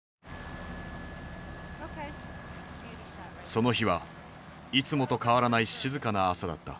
その日はいつもと変わらない静かな朝だった。